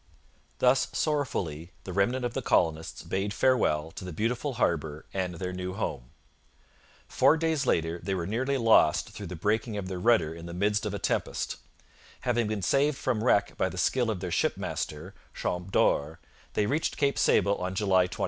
Thus sorrowfully the remnant of the colonists bade farewell to the beautiful harbour and their new home. Four days later they were nearly lost through the breaking of their rudder in the midst of a tempest. Having been saved from wreck by the skill of their shipmaster, Champdore, they reached Cape Sable on July 24.